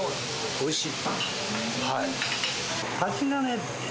おいしい。